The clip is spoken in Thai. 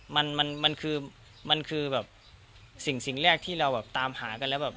มันคือสิ่งแรกที่เราตามหากันแล้ว